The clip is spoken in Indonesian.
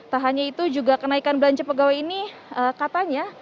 tak hanya itu juga kenaikan belanja pegawai ini katanya